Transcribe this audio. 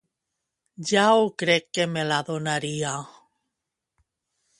Ja ho crec que me la donaria!